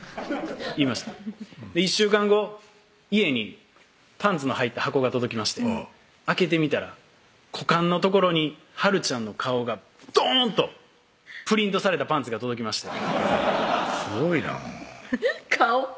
言いました１週間後家にパンツの入った箱が届きまして開けてみたら股間の所にはるちゃんの顔がドーンとプリントされたパンツが届きましてすごいなぁ顔？